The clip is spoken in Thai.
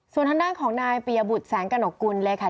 ส่วนทางด้านของนายปียบุตรแสงกระหนกกุลเลยค่ะ